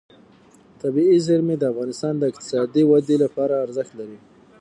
طبیعي زیرمې د افغانستان د اقتصادي ودې لپاره ارزښت لري.